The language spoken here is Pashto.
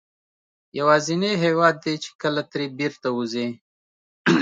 یوازینی هېواد دی چې کله ترې بېرته وځې.